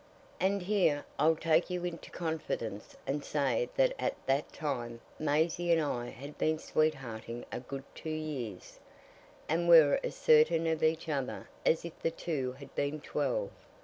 And here I'll take you into confidence and say that at that time Maisie and I had been sweethearting a good two years, and were as certain of each other as if the two had been twelve.